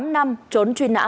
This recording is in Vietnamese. hai mươi tám năm trốn truy nã